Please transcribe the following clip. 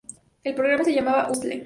El programa se llamaba 'Hustle'.